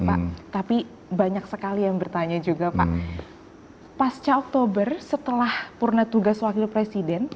pak tapi banyak sekali yang bertanya juga pak pasca oktober setelah purna tugas wakil presiden